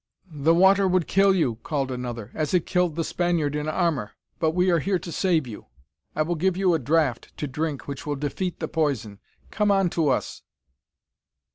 "The water would kill you," called another, "as it killed the Spaniard in armor. But we are here to save you. I will give you a draught to drink which will defeat the poison. Come on to us!"